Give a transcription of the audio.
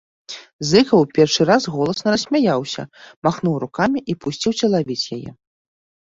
Зыкаў першы раз голасна рассмяяўся, махнуў рукамі і пусціўся лавіць яе.